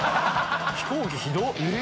飛行機ひどっ！